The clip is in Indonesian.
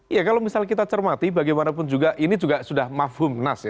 iya kalau misalnya kita cermati bagaimanapun juga ini juga sudah mafumnas ya